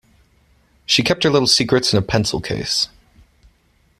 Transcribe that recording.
She kept her little secrets in her pencil case.